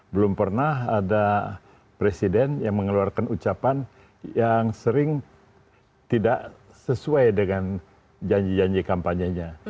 belum pernah ada presiden yang mengeluarkan ucapan yang sering tidak sesuai dengan janji janji kampanyenya